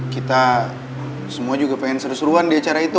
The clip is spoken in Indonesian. kita semua juga pengen seru seruan di acara itu